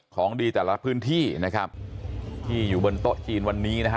ของดีแต่ละพื้นที่นะครับที่อยู่บนโต๊ะจีนวันนี้นะฮะ